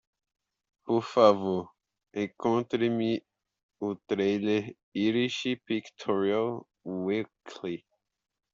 Por favor, encontre-me o trailer Irish Pictorial Weekly.